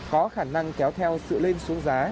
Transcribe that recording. có khả năng kéo theo sự lên xuống giá